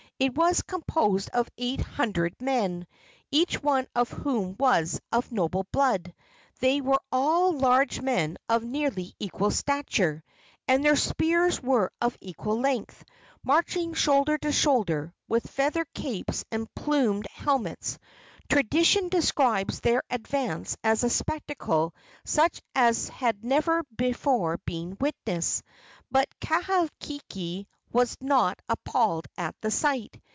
It was composed of eight hundred men, each one of whom was of noble blood. They were all large men of nearly equal stature, and their spears were of equal length. Marching shoulder to shoulder, with feather capes and plumed helmets, tradition describes their advance as a spectacle such as had never before been witnessed. But Kahekili was not appalled at the sight.